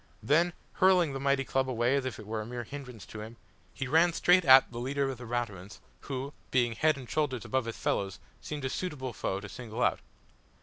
Then, hurling the mighty club away as if it were a mere hindrance to him, he ran straight at the leader of the Raturans, who, being head and shoulders above his fellows, seemed a suitable foe to single out.